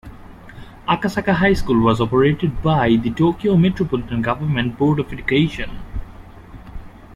Akasaka High School was operated by the Tokyo Metropolitan Government Board of Education.